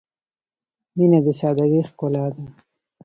• مینه د سادګۍ ښکلا ده.